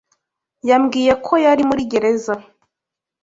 Yambwiye ko yari muri gereza.